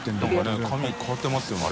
佑髪変わってますよね